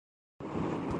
مسئلہ حل ہوا ہے۔